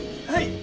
はい。